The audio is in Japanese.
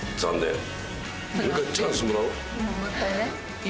うんもう１回ね。